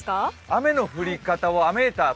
雨の降り方を雨ーター